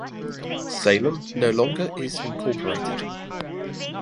Salem no longer is incorporated.